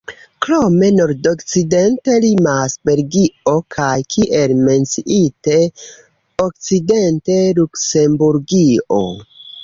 Krome nordokcidente limas Belgio, kaj, kiel menciite, okcidente Luksemburgio.